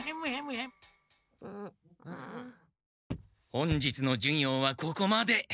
本日の授業はここまで。